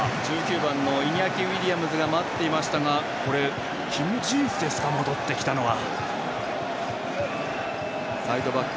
１９番のイニャキ・ウィリアムズが待っていましたがキム・ジンスですか戻ってきたのは。